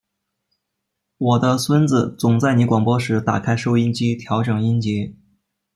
我的孙子总在你广播时打开收音机调整音节。